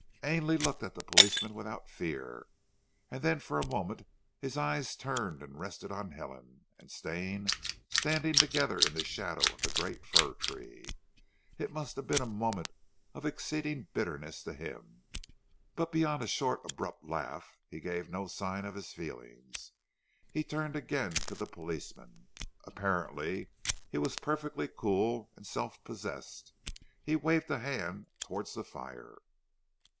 Ainley looked at the policeman without fear, and then for a moment his eyes turned and rested on Helen and Stane standing together in the shadow of a great fir tree. It must have been a moment of exceeding bitterness to him, but beyond a short, abrupt laugh he gave no sign of his feelings. He turned again to the policeman. Apparently he was perfectly cool and self possessed. He waved a hand towards the fire.